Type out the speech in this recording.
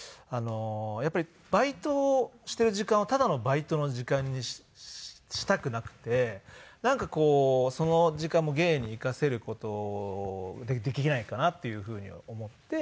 やっぱりバイトしている時間をただのバイトの時間にしたくなくてなんかその時間も芸に生かせる事をできないかなっていうふうに思って。